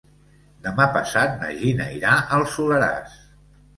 Demà passat na Gina irà al Soleràs.